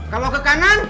kalau ke kanan